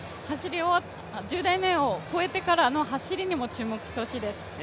１０台目を越えてからの走りにも注目してほしいです。